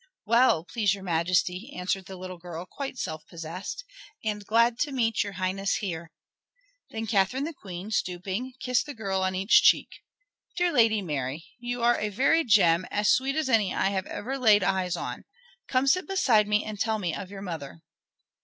"Well, please your Majesty," answered the little girl, quite self possessed, "and glad to meet your Highness here." Then Catherine the Queen, stooping, kissed the girl on each cheek. "Dear Lady Mary, you are a very gem, as sweet as any I have ever laid eyes on. Come sit beside me and tell me of your mother."